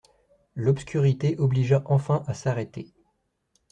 L'obscurité obligea enfin à s'arrêter.